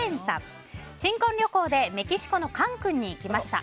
新婚旅行でメキシコのカンクンに行きました。